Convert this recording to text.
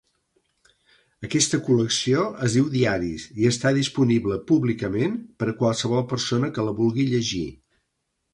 Aquesta col·lecció es diu "diaris" i està disponible públicament per a qualsevol persona que la vulgui llegir.